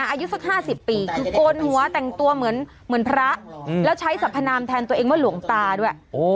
อายุสัก๕๐ปีคือโกนหัวแต่งตัวเหมือนพระแล้วใช้สัพพนามแทนตัวเองว่าหลวงตาด้วย